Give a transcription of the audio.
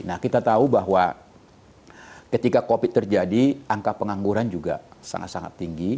nah kita tahu bahwa ketika covid terjadi angka pengangguran juga sangat sangat tinggi